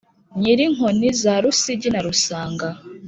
nyiri inkoni za rusugi na rusanga